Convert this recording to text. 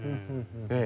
ええ。